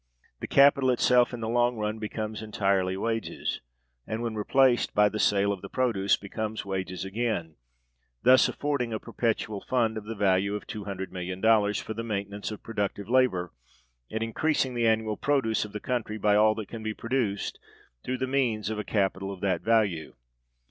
The capital itself in the long run becomes entirely wages, and, when replaced by the sale of the produce, becomes wages again; thus affording a perpetual fund, of the value of $200,000,000, for the maintenance of productive labor, and increasing the annual produce of the country by all that can be produced through the means of a capital of that value.